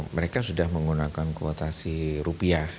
mereka sudah menggunakan kuotasi rupiah